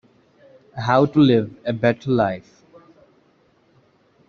How to live a better life.